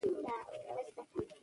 یو بلبل وو د ښکاري دام ته لوېدلی